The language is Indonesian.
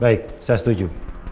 baik saya setuju